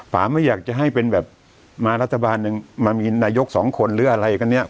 ป่าไม่อยากจะให้เป็นแบบมารัฐบาลหนึ่งมามีนายกสองคนหรืออะไรกันเนี่ย